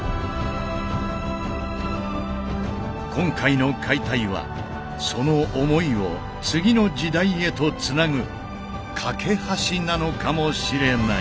今回の解体はその思いを次の時代へとつなぐ懸け橋なのかもしれない。